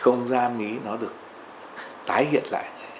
không gian ấy nó được tái hiện lại